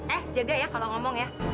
eh jaga ya kalau ngomong ya